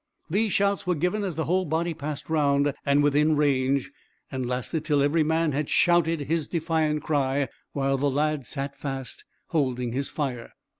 These shouts were given as the whole body passed round and within range, and lasted till every man had shouted his defiant cry, while the lad sat fast holding his fire.